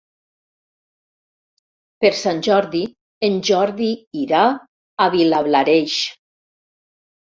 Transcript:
Per Sant Jordi en Jordi irà a Vilablareix.